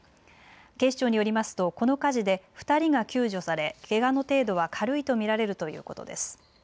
警視庁によりますとこの火事で２人が救助されけがの程度は軽いと見られるということです。